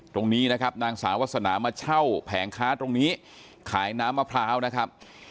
ตรงนี้นะครับนางสาววาสนามาเช่าแผงค้าตรงนี้ขายน้ำมะพร้าวนะครับ